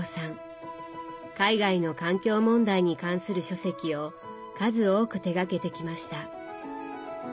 海外の環境問題に関する書籍を数多く手がけてきました。